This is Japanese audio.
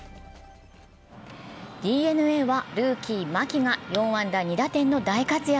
ＤｅＮＡはルーキー・牧が４安打２打点の大活躍。